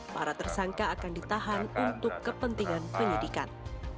para tersangka akan ditahan untuk kepentingan penyidikan